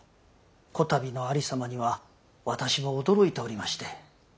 こたびのありさまには私も驚いておりまして。